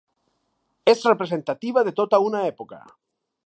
Ets representativa de tota una època!